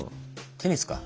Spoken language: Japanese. テニスか。